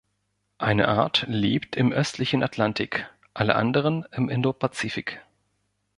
Eine Art lebt im östlichen Atlantik, alle anderen im Indopazifik.